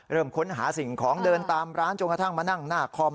ค้นหาสิ่งของเดินตามร้านจนกระทั่งมานั่งหน้าคอม